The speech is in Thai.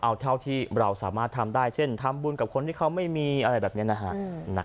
เอาเท่าที่เราสามารถทำได้เช่นทำบุญกับคนที่เขาไม่มีอะไรแบบนี้นะฮะ